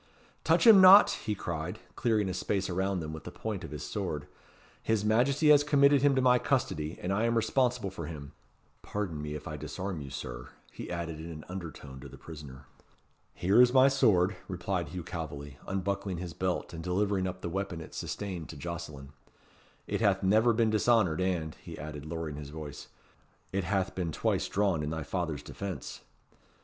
"Touch him not!" he cried, clearing a space around them with the point of his sword. "His Majesty has committed him to my custody, and I am responsible for him. Pardon me if I disarm you, Sir," he added in an undertone to the prisoner. "Here is my sword," replied Hugh Calveley, unbuckling his belt and delivering up the weapon it sustained to Jocelyn; "it hath never been dishonoured, and," he added, lowering his voice, "it hath been twice drawn in thy father's defence."